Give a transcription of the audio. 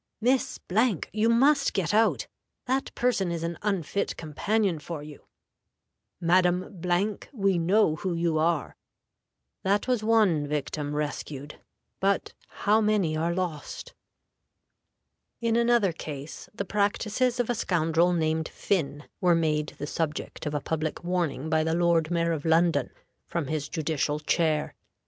'Miss , you must get out; that person is an unfit companion for you. Madam , we know who you are.' That was one victim rescued, but how many are lost?" In another case, the practices of a scoundrel named Phinn were made the subject of a public warning by the Lord Mayor of London from his judicial chair.